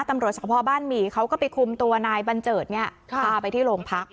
ตำรวจสภบ้านหมี่เขาก็ไปคุมตัวนายบัญเจิดเนี่ยพาไปที่โรงพัก